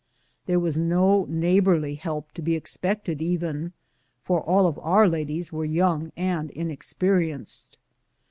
There was no neighborly help to be expected even, for all of our ladies were young and inexperienced.